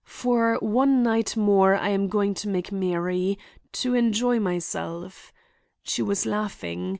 For one night more I am going to make merry—to—to enjoy myself.' She was laughing.